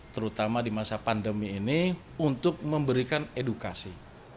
terutama di masa pandemi ini untuk memberikan edukasi